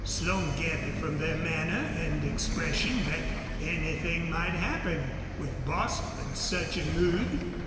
Slone gathered from their manner and expression that anything might happen with Bostil in such a mood.